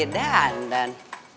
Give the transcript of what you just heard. hmm dia dandan